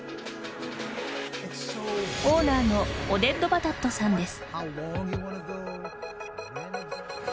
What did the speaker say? オーナーのオデッド・バタットさんです。